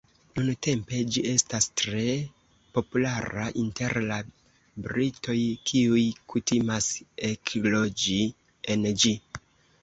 Nuntempe ĝi estas tre populara inter la britoj kiuj kutimas ekloĝi en ĝi.